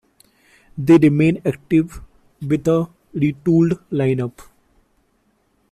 They remain active with a retooled line-up.